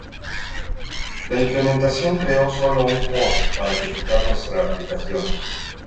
La implementación creó solo un "pod" para ejecutar nuestra aplicación.